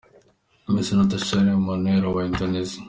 Miss Natasha Halim Mannuela wa Indonesia.